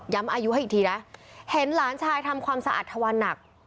อายุให้อีกทีนะเห็นหลานชายทำความสะอาดทวันหนัก